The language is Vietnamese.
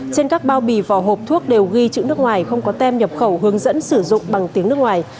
trên các bao bì vỏ hộp thuốc đều ghi chữ nước ngoài không có tem nhập khẩu hướng dẫn sử dụng bằng tiếng nước ngoài